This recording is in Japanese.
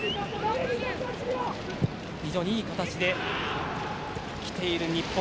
非常にいい形できている日本。